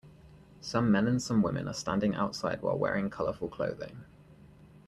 Some men and some women are standing outside while wearing colorful clothing.